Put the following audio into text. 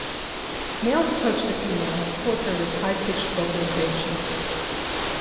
Males approach the female and court her with high pitched vocalizations.